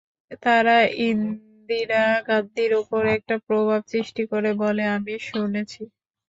তাঁরা ইন্দিরা গান্ধীর ওপর একটা প্রভাব সৃষ্টি করে বলে আমি শুনেছি।